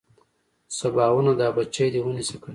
سباوونه دا بچي دې ونيسه کنه.